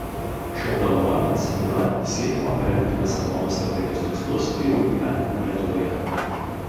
Šių apdovanojimų iniciatyva siekiama paremti Lisabonos strategijos tikslus ir jų įgyvendinimą Lietuvoje.